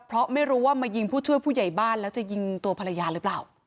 เพราะไม่รู้ว่ามายิงผู้ช่วยผู้ใหญ่บ้านแล้วจะยิงตัวภรรยาหรือเปล่า